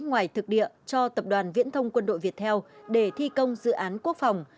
ngoài thực địa cho tập đoàn viễn thông quân đội việt theo để thi công dự án quốc phòng